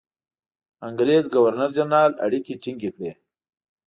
انګرېز ګورنرجنرال اړیکې ټینګ کړي.